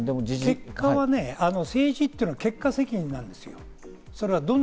結果はね、政治というのは結果責任なんですよ。